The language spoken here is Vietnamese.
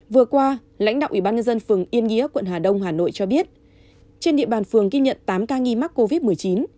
vừa qua lãnh đạo ủy ban nhân dân phường yên nghĩa quận hà đông hà nội cho biết trên địa bàn phường ghi nhận tám ca nghi mắc covid một mươi chín